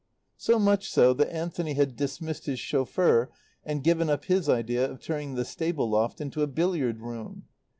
So much so that Anthony had dismissed his chauffeur and given up his idea of turning the stable loft into a billiard room.